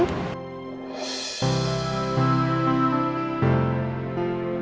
ternyata putri mas iva